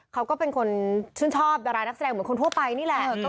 เขาก็เป็นคนชื่นชอบดารานักแสดงเหมือนคนทั่วไปนี่แหละ